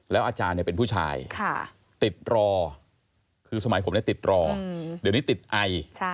แล้วอาจารย์เนี่ยเป็นผู้ชายติดรอคือสมัยผมเนี่ยติดรอเดี๋ยวนี้ติดไอ